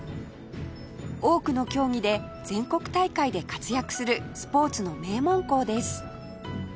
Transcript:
多くの競技で全国大会で活躍するスポーツの名門校です